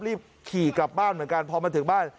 รีบขี่กลับบ้านเหมือนกันพอมาถึงบ้าน